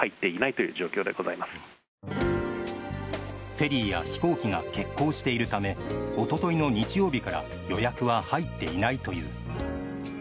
フェリーや飛行機が欠航しているためおとといの日曜日から予約は入っていないという。